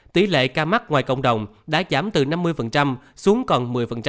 tỷ lệ ca mắc ngoài cộng đồng đã giảm từ năm mươi xuống còn một mươi